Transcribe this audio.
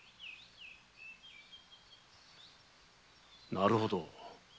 なるほど。